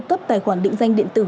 cấp tài khoản định danh điện tử